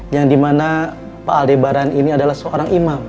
yang dimana pak aldebaran ini adalah seorang imam